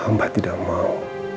amba tidak mau